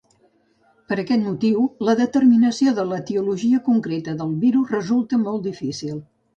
Per aquest motiu, la determinació de l’etiologia concreta del virus resulta molt difícil.